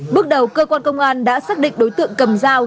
bước đầu cơ quan công an đã xác định đối tượng cầm dao